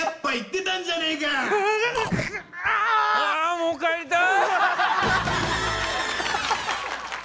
もう帰りたい！